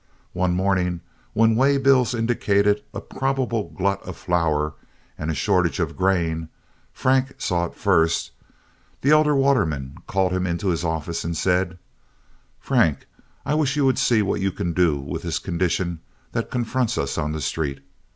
One morning, when way bills indicated a probable glut of flour and a shortage of grain—Frank saw it first—the elder Waterman called him into his office and said: "Frank, I wish you would see what you can do with this condition that confronts us on the street.